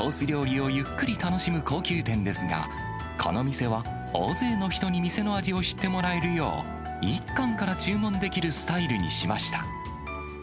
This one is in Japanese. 料理をゆっくり楽しむ高級店ですが、この店は大勢の人に店の味を知ってもらえるよう、１貫から注文できるスタイルにしました。